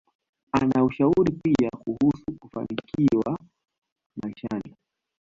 Ana ushauri pia kuhusu kufanikiwa maishani